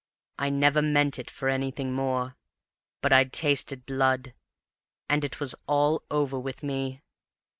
I never meant it for anything more; but I'd tasted blood, and it was all over with me.